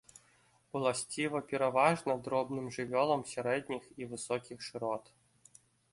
Уласціва пераважна дробным жывёлам сярэдніх і высокіх шырот.